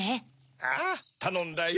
ああたのんだよ。